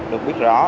được biết rõ